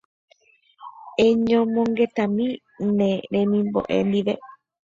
Eñomongetami ne remimbo'e ndive.